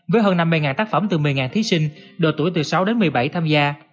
với hơn năm mươi tác phẩm từ một mươi thí sinh độ tuổi từ sáu đến một mươi bảy tham gia